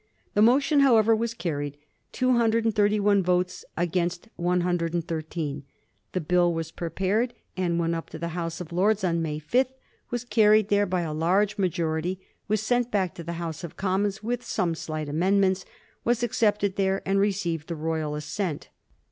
The motion, however, was carried by 231 votes against 113. The bill was prepared, and went up to the House of Lords on May 5, was carried there by a large majority, was sent back to the House of Com mons with some slight amendments, was accepted there, and received the Royal assent.